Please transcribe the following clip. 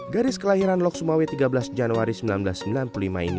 garis kelahiran lok sumawe tiga belas januari seribu sembilan ratus sembilan puluh lima ini